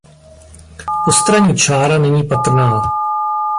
Postranní čára není patrná.